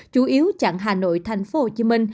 chủ yếu chặn hà nội tp hcm